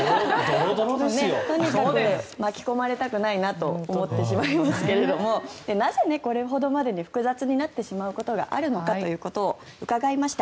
巻き込まれたくないなと思ってしまいますがなぜこれほどまでに複雑になってしまうことがあるのかということを伺いました。